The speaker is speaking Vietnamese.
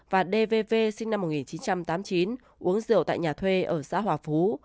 và d v v sinh năm một nghìn chín trăm tám mươi chín uống rượu tại nhà thuê ở xã hòa phú